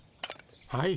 はい。